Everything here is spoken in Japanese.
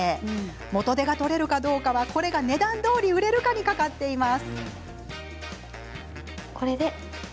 元手が取れるかはこれが値段どおりに売れるかどうかにかかっています。